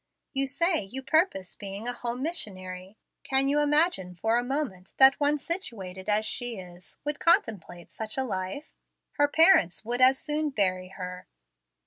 You say you purpose being a home missionary. Can you imagine for a moment that one situated as she is would contemplate such a life? Her parents would as soon bury her."